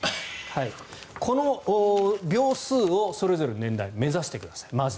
この秒数をそれぞれの年代目指してください、まず。